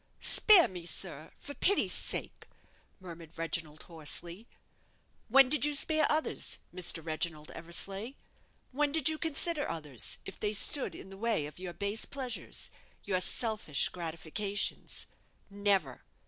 "Spare me, sir, for pity's sake," murmured Reginald, hoarsely. "When did you spare others, Mr. Reginald Eversleigh? When did you consider others, if they stood in the way of your base pleasures, your selfish gratifications? Never!